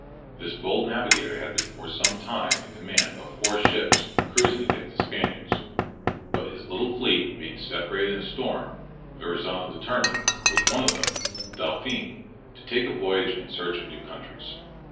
This bold navigator had been for some time in command of four ships, cruising against the Spaniards. But his little fleet being separated in a storm, Verrazzano determined, with one of them, the Dauphin, to take a voyage in search of new countries.